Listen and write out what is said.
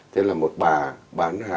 thế là một bà